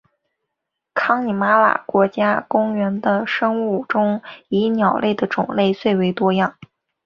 康尼玛拉国家公园的生物中以鸟类的种类最为多样。